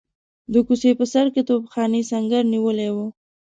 د کوڅې په سر کې توپخانې سنګر نیولی وو.